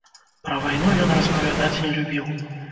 Пра вайну ён распавядаць не любіў.